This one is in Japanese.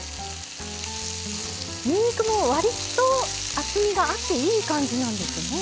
にんにくも割と厚みがあっていい感じなんですね。